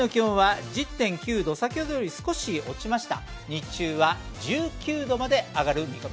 現在の気温は１０．９度先ほどより少し落ちました。